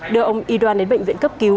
đưa ông y doan đến bệnh viện cấp cứu